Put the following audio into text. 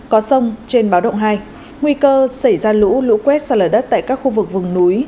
có sông trên báo động hai nguy cơ xảy ra lũ lũ quét sạt lở đất tại các khu vực vùng núi